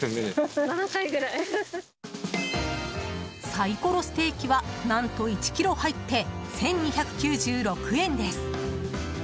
サイコロステーキは何と１ｋｇ入って１２９６円です。